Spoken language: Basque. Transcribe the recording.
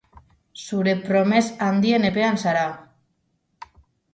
Zure promes handien epean zara.